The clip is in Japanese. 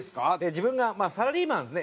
自分がサラリーマンですね。